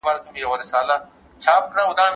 زه به سبا کتابتون ته ځم وم!!